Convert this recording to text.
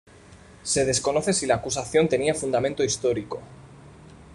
Se desconoce si la acusación tenía fundamento histórico.